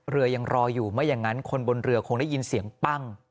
เรือยังรออยู่ไม่อย่างนั้นคนบนเรือคงได้ยินเสียงปั้ง